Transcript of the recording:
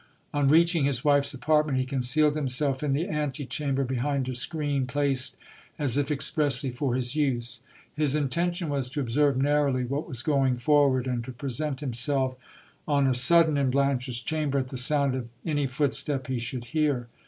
On reaching his wife's apartment he concealed himself in the ante chamber, behind a screen placed as if expressly for his use. His intention was to observe narrowly what was going forward, and to present himself on a sudden in Blanche's chamber at the sound of any footstep he should hear.